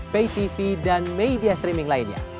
paytv dan media streaming lainnya